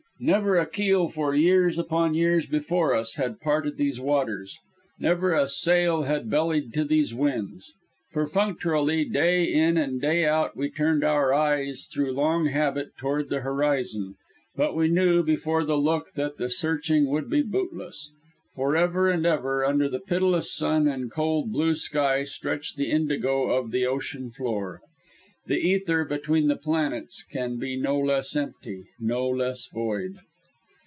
Never a keel for years upon years before us had parted these waters; never a sail had bellied to these winds. Perfunctorily, day in and day out we turned our eyes through long habit toward the horizon. But we knew, before the look, that the searching would be bootless. Forever and forever, under the pitiless sun and cold blue sky stretched the indigo of the ocean floor. The ether between the planets can be no less empty, no less void.